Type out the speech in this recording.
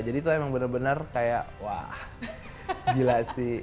jadi itu emang benar benar kayak wah gila sih